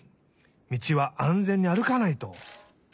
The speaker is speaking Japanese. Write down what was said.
道は安全に歩かないと。